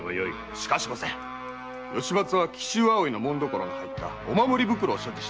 しかし吉松は紀州葵の紋所の入ったお守り袋を所持してます。